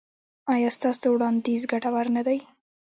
ایا ستاسو وړاندیز ګټور نه دی؟